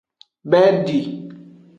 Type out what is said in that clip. Bedi.